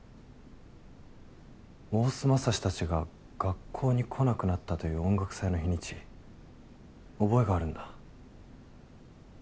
大須匡たちが学校に来なくなったという音楽祭の日にち覚えがあるんだ。